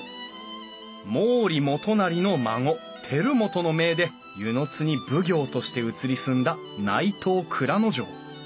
毛利元就の孫輝元の命で温泉津に奉行として移り住んだ内藤内蔵丞。